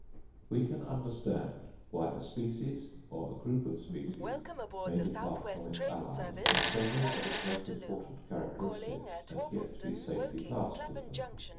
We can understand why a species or a group of species may depart from its allies, in several of its most important characteristics, and yet be safely classed with them.